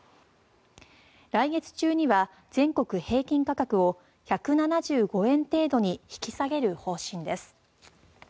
来月中には全国平均価格を１７５円程度に引き下げる方針です。